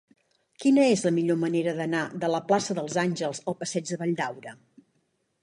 Quina és la millor manera d'anar de la plaça dels Àngels al passeig de Valldaura?